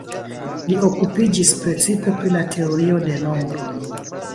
Li okupiĝis precipe pri la teorio de nombroj.